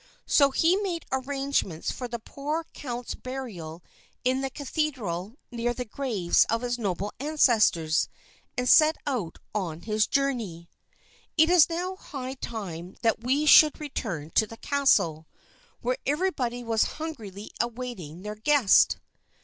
So he made arrangements for the poor count's burial in the cathedral near the graves of his noble ancestors, and set out on his journey. It is now high time that we should return to the castle, where everybody was hungrily awaiting the guest.